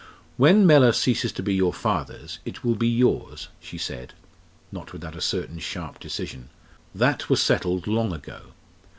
"When Mellor ceases to be your father's it will be yours," she said, not without a certain sharp decision; "that was settled long ago.